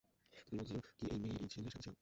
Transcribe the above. তো তুমি বলতেছো কি অই মেয়ে এই ছেলের সাথে ছিল?